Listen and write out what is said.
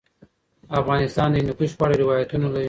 افغانستان د هندوکش په اړه روایتونه لري.